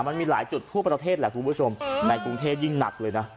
มันมีหลายจุดทั่วประเทศแหละคุณผู้ชมในกรุงเทพยิ่งหนักเลยนะ